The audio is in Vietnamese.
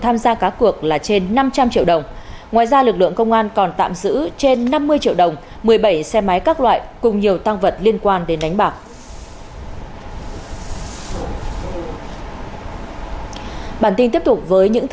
tham gia cá cược là trên năm trăm linh triệu đồng